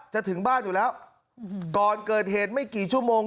ถึงบ้านอยู่แล้วก่อนเกิดเหตุไม่กี่ชั่วโมง